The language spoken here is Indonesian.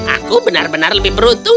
aku benar benar lebih beruntung